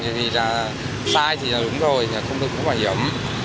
như ý và chấp hành sai thì đúng rồi không được bảo hiểm